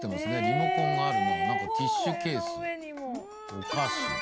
リモコンがあるな何かティッシュケースお菓子